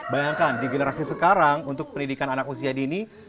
bayangkan di generasi sekarang untuk pendidikan anak usia dini